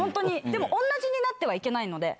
でも同じになってはいけないので。